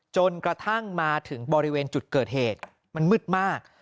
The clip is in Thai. จนกระทั่งมาถึงบริเวณจุดเกิดเหตุมันมืดมาก